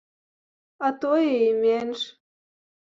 А тое і менш.